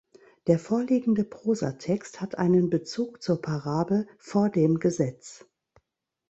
Der vorliegende Prosatext hat einen Bezug zur Parabel "Vor dem Gesetz".